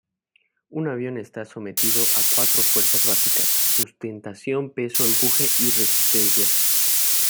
Un avión está sometido a cuatro fuerzas básicas: sustentación, peso, empuje y resistencia.